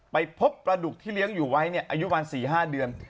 ไปพบปลาดุกที่เลี้ยงอยู่ไว้อายุประมาณ๔๕เดือน